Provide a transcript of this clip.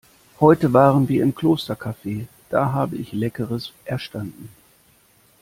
Heute waren wir im Klostercafe, da habe ich Leckeres erstanden.